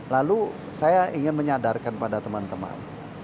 lalu saya ingin menyadarkan pada teman teman